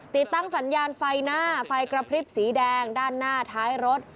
ติดตั้งสัญญาณไฟหน้าไฟกระพริบสีแดงด้านหน้าท้ายรถ